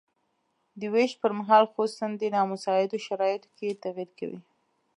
د ویش پرمهال خصوصاً په نامساعدو شرایطو کې تغیر کوي.